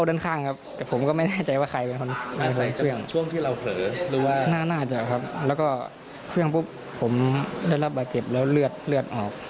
แล้วก็เพราะยังปุ้บผมได้รับบาดเจ็บแล้วเลือดออก